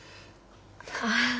ああ。